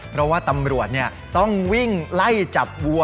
เพราะว่าตำรวจต้องวิ่งไล่จับวัว